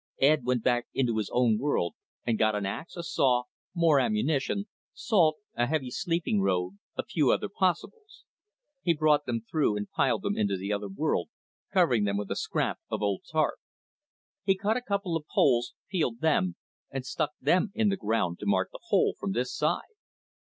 Ed went back into his own world and got an ax, a saw, more ammunition, salt, a heavy sleeping robe, a few other possibles. He brought them through and piled them in the other world, covering them with a scrap of old tarp. He cut a couple of poles, peeled them, and stuck them in the ground to mark the hole from this side.